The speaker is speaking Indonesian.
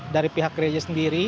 dari pihak gereja sendiri